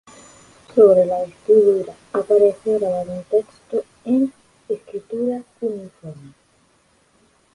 Sobre la vestidura aparece grabado un texto en escritura cuneiforme.